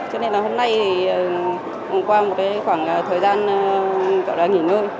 cho nên là hôm nay thì hôm qua một khoảng thời gian gọi là nghỉ nơi